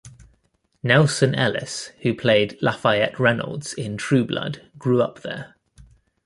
Nelsan Ellis, who played Lafayette Reynolds in "True Blood", grew up there.